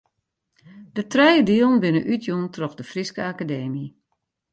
De trije dielen binne útjûn troch de Fryske Akademy.